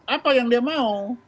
apa yang dia mau